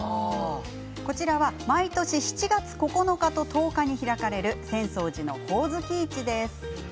こちらは毎年７月９日と１０日に開かれる浅草寺のほおずき市です。